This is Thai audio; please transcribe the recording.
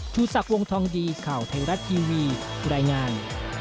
ชูศักดิ์วงทองดีข่าวไทยรัฐทีวีรายงาน